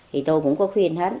thì tôi cũng có khuyên hết